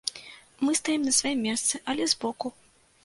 Мы стаім на сваім месцы, але збоку.